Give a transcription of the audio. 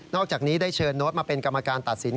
อกจากนี้ได้เชิญโน้ตมาเป็นกรรมการตัดสิน